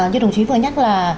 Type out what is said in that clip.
như đồng chí vừa nhắc là